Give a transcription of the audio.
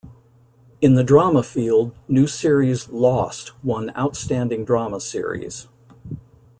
In the drama field, new series "Lost" won Outstanding Drama Series.